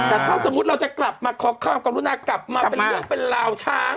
แต่ถ้าสมมุติเราจะกลับมาขอความกรุณากลับมาเป็นเรื่องเป็นราวช้าง